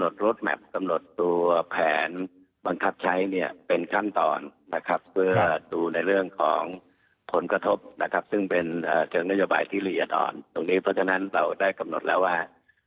ตรงนี้เพราะฉะนั้นเราได้กำหนดแล้วว่า